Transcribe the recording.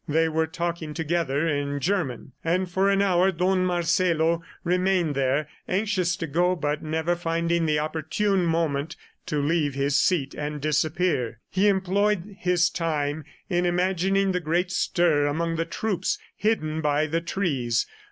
They were talking together in German, and for an hour Don Marcelo remained there, anxious to go but never finding the opportune moment to leave his seat and disappear. He employed his time in imagining the great stir among the troops hidden by the trees.